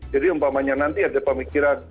jadi umpamanya nanti ada pemerintah yang berlalu